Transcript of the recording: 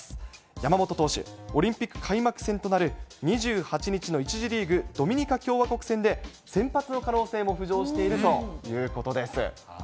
山本投手、オリンピック開幕戦となる、２８日の１次リーグ、ドミニカ共和国戦で先発の可能性も浮上しているということです。